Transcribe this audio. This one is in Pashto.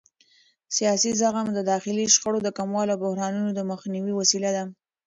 سیاسي زغم د داخلي شخړو د کمولو او بحرانونو د مخنیوي وسیله ده